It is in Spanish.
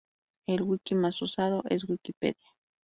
El wiki más usado es Wikipedia.